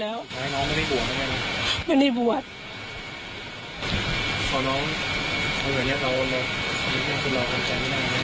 แล้วน้องไม่ได้บวชหรือไง